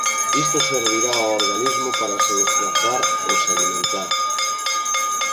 Isto servirá ó organismo para se desprazar ou se alimentar.